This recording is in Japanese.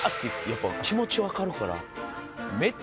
やっぱ気持ちわかるから。